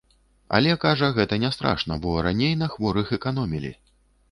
Але, кажа, гэта не страшна, бо раней на хворых эканомілі.